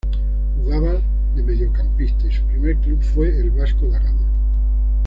Jugaba de mediocampista y su primer club fue el Vasco da Gama.